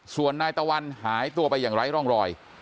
ส่วนนายตะวันหายตัวไปอย่างไร้ร่องรอย